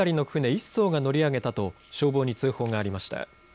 １そうが乗り上げたと消防に通報がありました。